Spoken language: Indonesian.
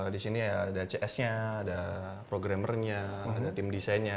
di sini ya ada cs nya ada programmer nya ada tim desainnya